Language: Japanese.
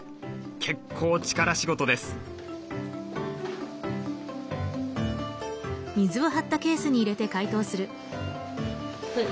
結構力仕事です。